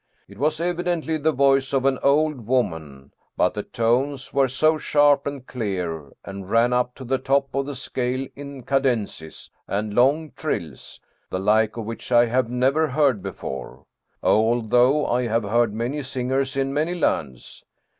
It was evi dently the voice of an old woman, but the tones were so sharp and clear, and ran up to the top of the scale in cadences and long trills, the like of which I have never heard before, although I have heard many singers in many lands.